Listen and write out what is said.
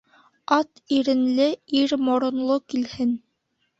Ат иренле, ир моронло килһен.